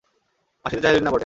আসিতে চাহিলেন না, বটে!